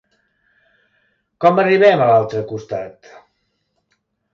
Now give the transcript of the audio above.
Com arribem a l'altre costat?